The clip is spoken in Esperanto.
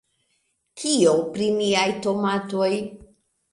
Kio pri niaj tomatoj?